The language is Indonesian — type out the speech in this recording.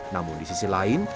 namun di sisi lain